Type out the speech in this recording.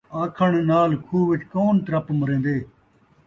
آکھݨ نال کھوہ وچ کون ترپ مریندے